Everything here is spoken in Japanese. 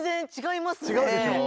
違うでしょう。